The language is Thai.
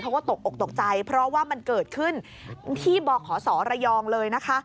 เขาก็ตกออกตกใจเพราะว่ามันเกิดขึ้นที่บ่อยขอสรระยองเลย